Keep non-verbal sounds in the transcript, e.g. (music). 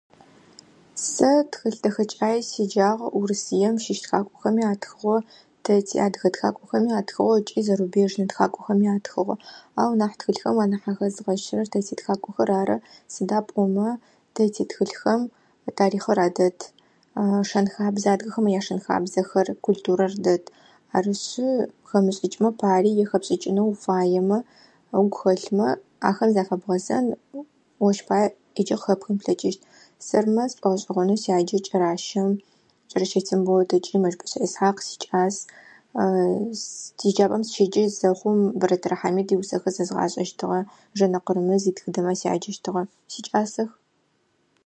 Сэ тхылъ дэхэкӏае седжагъ, Урысыем щыщ тхакӏохэми атхыгъэу, тэ тиадыгэ тхакӏохэми атхыгъэу ыкӏи зарубежнэ тхакӏохэми атхыгъэу. Ау нахь тхылъхэм анахь къахэзгъэщырэр тэ титхакӏохэр ары, сыда пӏомэ, тэ титхылъхэм тарихъыр адэт, шэн-хабзэ, адыгэхэм яшэн-хабзэхэр, культурэр дэт. Арышъы, хэмышӏыкӏымэ пари, е хэпшӏыкӏынэу уфаемэ, угу хэлъымэ, ахэм зафэбгъэзэн, ощ пае ӏеджи къыхэпхын плъэкӏыщт. Сэрмэ, сшӏогъэшӏэгъонэу сяджэ КӀэращэм, Кӏэрэщэ Тембот ыкӏи Мэщбэшӏэ Исхьакъ сикӏас. (hesitation) Еджапӏэм сыщеджэ зэхъум Бэрэтэрэ Хьамид иусэхэр зэзгъашӏэщтыгъэ, Жэнэ Къырымыз итхыдэмэ сяджэщтыгъэ. Сикӏасэх.